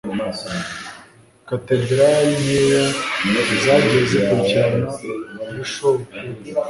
Katedrali nkeya zagiye zikurikirana kuri show pe